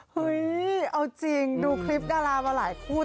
เฮ้ยเอาจริงดูคลิปดารามาหลายคู่